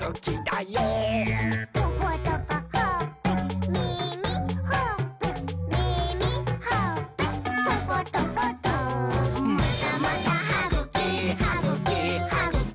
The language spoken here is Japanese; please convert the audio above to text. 「トコトコほっぺ」「みみ」「ほっぺ」「みみ」「ほっぺ」「トコトコト」「またまたはぐき！はぐき！はぐき！